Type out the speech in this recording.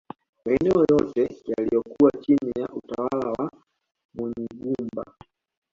Maeneo yote yaliyokuwa chini ya utawala wa Munyigumba